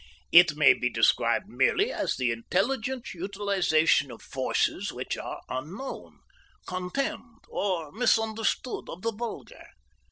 It may be described merely as the intelligent utilization of forces which are unknown, contemned, or misunderstood of the vulgar.